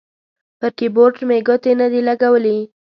پر کیبورډ مې ګوتې نه دي لګولي